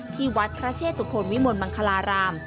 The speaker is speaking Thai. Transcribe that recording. ที่วัดพระเชศตุพลวิมลมังคลาราม